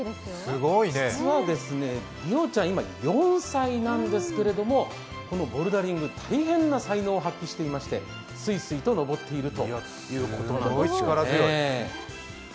実は莉央ちゃん、今、４歳なんですけれどもこのボルダリング、大変な才能を発揮しましてスイスイと登っているということなんですね。